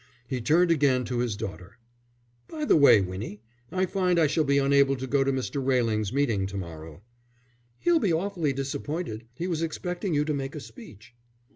He turned again to his daughter. "By the way, Winnie, I find I shall be unable to go to Mr. Railing's meeting to morrow." "He'll be awfully disappointed. He was expecting you to make a speech."